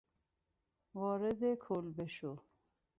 وارد کلبه شو